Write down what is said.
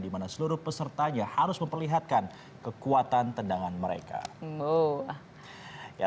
di mana seluruh pesertanya harus memperlihatkan kekuatan tendangan mereka